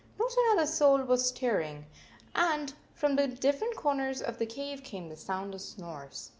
Not another soul was stirring, and from the different corners of the cave came the sound of snores.